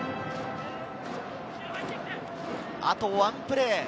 あとワンプレー。